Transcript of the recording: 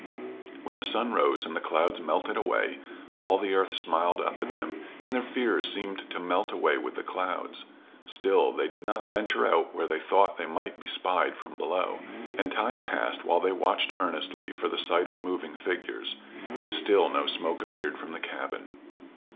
When the sun rose and the clouds melted away, all the earth smiled up at them, and their fears seemed to melt away with the clouds. Still they did not venture out where they thought they might be spied from below, and time passed while they watched earnestly for the sight of moving figures, and still no smoke appeared from the cabin.